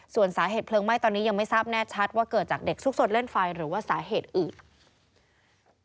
ส่วนสาเหตุเพลิงไหม้ตอนนี้ยังไม่ทราบแน่ชัดว่าเกิดจากเด็กซุกสดเล่นไฟหรือว่าสาเหตุอื่น